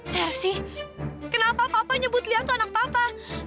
mercy kenapa papa nyebut lia tuh anak papa